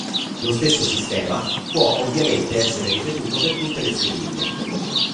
Lo stesso sistema può ovviamente essere ripetuto per tutte le stoviglie.